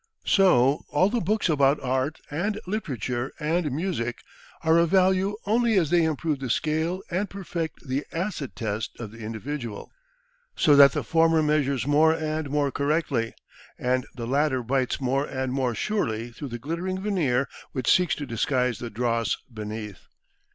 So all the books about art and literature and music are of value only as they improve the scale and perfect the acid test of the individual, so that the former measures more and more correctly, and the latter bites more and more surely through the glittering veneer which seeks to disguise the dross beneath.